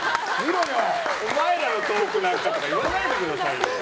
お前らのトークなんかなんて言わないでくださいよ。